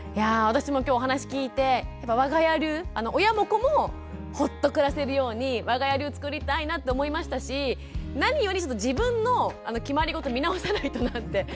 私も今日お話聞いてわが家流親も子もほっと暮らせるようにわが家流を作りたいなと思いましたし何より自分の決まりごと見直さないとなって。